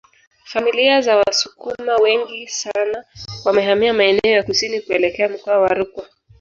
Familia za Wasukuma wengi sana wamehamia maeneo ya kusini kuelekea mkoa wa Rukwa